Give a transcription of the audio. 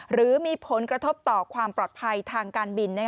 หรือมีผลกระทบต่อความปลอดภัยทางการบิน